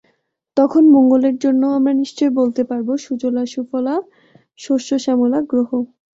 তখন মঙ্গলের জন্যও আমরা নিশ্চয়ই বলতে পারব, সুজলা সুফলা শস্য শ্যামলা গ্রহ।